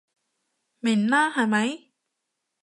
明啦係咪？